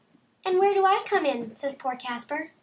" And where do I come in ?" says poor Caspar.